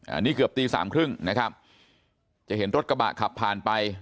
อันนี้เกือบตีสามครึ่งนะครับจะเห็นรถกระบะขับผ่านไป